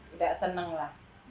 udah seneng lah